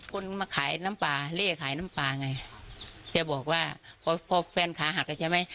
คนมาขายน้ำปลาเรียกขายน้ำปลาไงเจ้าบอกว่าพอแฟนขาหักกันใช่ไหม